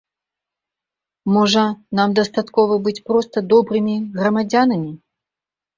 Можа, нам дастаткова быць проста добрымі грамадзянамі?